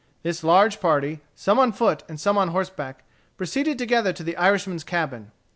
This large party, some on foot and some on horseback, proceeded together to the Irishman's cabin.